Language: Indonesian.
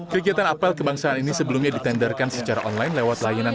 kegiatan apel kebangsaan ini sebelumnya ditandarkan secara perusahaan